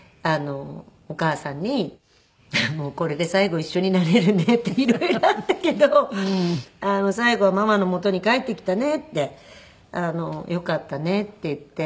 お母さんに「もうこれで最後一緒になれるね」って。「色々あったけど最後はママのもとに帰ってきたね」って。「よかったね」って言って。